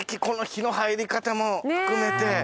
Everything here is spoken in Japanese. この日の入り方も含めて。